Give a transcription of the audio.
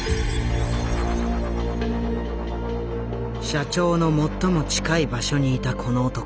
社長の最も近い場所にいたこの男。